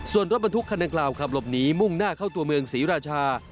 ส่วนรถบรรทุกคันดังกล่าวขับหลบหนีมุ่งหน้าเข้าตัวเมืองศรีราชา